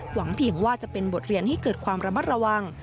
หวังเพียงว่าจะเป็นบทเรียนให้เกิดความระมัดระวัง